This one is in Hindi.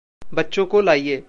बच्चों को लाइए।